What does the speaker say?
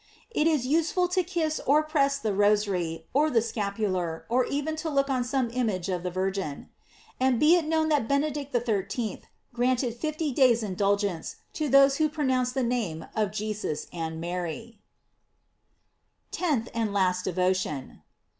It is useful to kiss or press the rosary, or the scapular, or even to look on some image of the Virgin. And be it known that Benedict XIII. granted fifty days' indulgence to those who pronounce the name of Jesus and Mary. * P. Auriem. to. 1, c. 12. 670 GLORIES OF MARY. TENTH AND LAST DEVOTION.